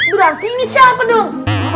berarti ini siapa dong